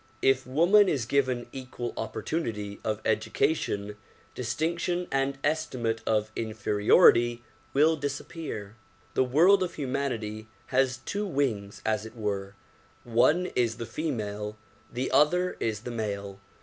If woman is given equal opportunity of education, distinction and estimate of inferiority will disappear. The world of humanity has two wings as it were, one is the female, the other is the male.